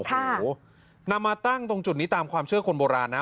โอ้โหนำมาตั้งตรงจุดนี้ตามความเชื่อคนโบราณนะ